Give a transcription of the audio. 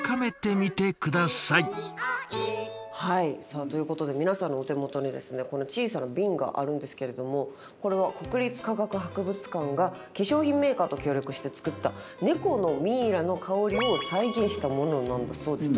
さあということで皆さんのお手元にこの小さな瓶があるんですけれどもこれは国立科学博物館が化粧品メーカーと協力して作ったネコのミイラの香りを再現したものなんだそうです。